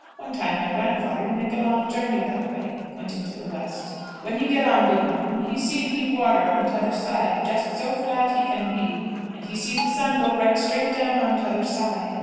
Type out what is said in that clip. One time my grandfather he make long journey that way (pointing to the west). When he get on big mountain, he seen heap water on t'other side, jest so flat he can be, and he seen the sun go right straight down on t'other side.